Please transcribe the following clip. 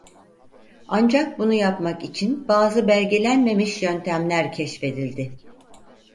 Ancak bunu yapmak için bazı belgelenmemiş yöntemler keşfedildi.